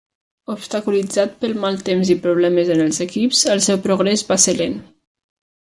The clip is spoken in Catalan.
Obstaculitzat pel mal temps i problemes en els equips, el seu progrés va ser lent.